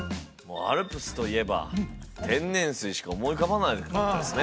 もうアルプスといえば天然水しか思い浮かばなかったですね